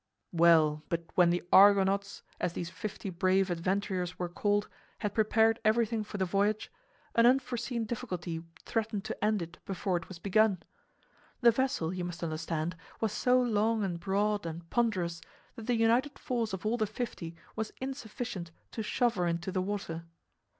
Well! But when the Argonauts, as these fifty brave adventurers were called, had prepared everything for the voyage, an unforeseen difficulty threatened to end it before it was begun. The vessel, you must understand, was so long and broad and ponderous that the united force of all the fifty was insufficient to shove her into the water.